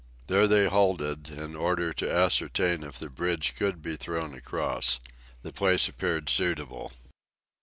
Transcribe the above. There they halted, in order to ascertain if the bridge could be thrown across. The place appeared suitable.